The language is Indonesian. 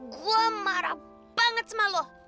gue marah banget sama lo